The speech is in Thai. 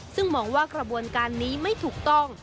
ซึ่งมองว่ากระบวนการนี้ไม่ถูกต้อง